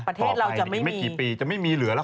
ประเภทเราจะไม่มีอีกไม่กี่ปีจะไม่มีเหลือแล้ว